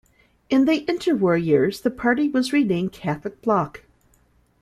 In the interwar years the party was renamed Catholic Bloc.